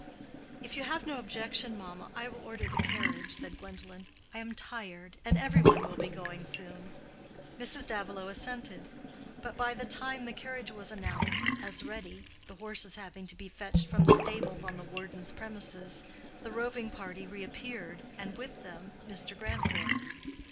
"If you have no objection, mamma, I will order the carriage," said Gwendolen. "I am tired. And every one will be going soon." Mrs. Davilow assented; but by the time the carriage was announced as ready—the horses having to be fetched from the stables on the warden's premises—the roving party reappeared, and with them Mr. Grandcourt.